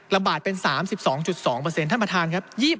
ระบาดเป็น๓๒๒ท่านประธานครับ